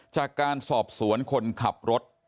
จากการสอบสวนคนขับรถ